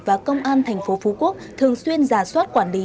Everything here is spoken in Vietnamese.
và công an thành phố phú quốc thường xuyên giả soát quản lý